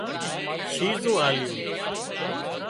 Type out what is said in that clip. شيزُون آليون